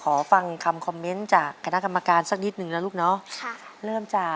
ฟังคำคอมเมนต์จากคณะกรรมการสักนิดนึงนะลูกเนาะ